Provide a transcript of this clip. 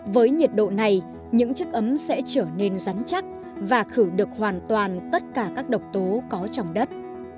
với nhiệt độ này những chiếc ấm sẽ trở nên rắn chắc và khử được hoàn toàn tất cả các độc tố có trong đất